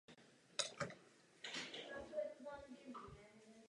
Jejich výkon ho inspiroval k tomu aby znovu začal psát a skládat hudbu.